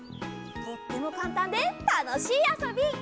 とってもかんたんでたのしいあそび。